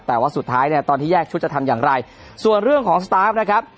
แต่ว่าสุดท้ายเนี่ยตอนที่แยกชุดจะทำอย่างไรส่วนเรื่องของสตาร์ฟนะครับ